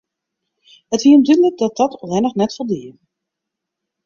It wie him dúdlik dat dat allinne net foldie.